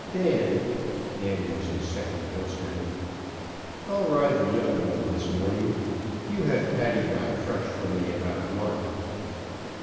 Dan," Dan was his second horseman, "I'll ride the young one this morning. You have Paddywhack fresh for me about one."